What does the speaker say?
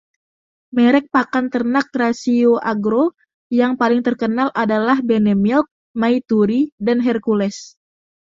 Merek pakan ternak Raisioagro yang paling terkenal adalah Benemilk, Maituri dan Hercules